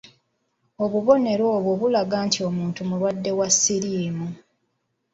Obubonero obwo bulaga nti omuntu mulwadde wa siriimu.